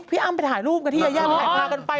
พี่อ้ำไปถ่ายรูปกันที่ยากถ่ายกันไป